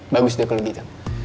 bagus deh kalau gitu